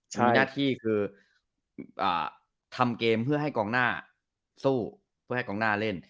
มีหน้าที่คือทำเกมเพื่อให้กองหน้าสู้เพื่อให้กองหน้าเล่น